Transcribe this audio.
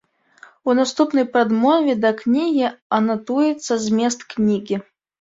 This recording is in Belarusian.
У наступнай прадмове да кнігі анатуецца змест кнігі.